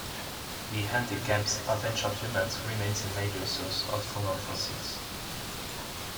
The hunting camps of ancient humans remain a major source of faunal fossils.